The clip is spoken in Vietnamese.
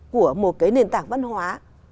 của một cái nền tảng văn hóa